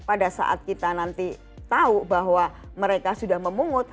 pada saat kita nanti tahu bahwa mereka sudah memungut